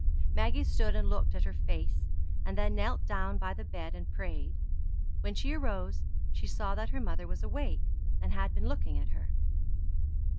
Maggie stood and looked at her face, and then knelt down by the bed and prayed. When she arose, she saw that her mother was awake, and had been looking at her.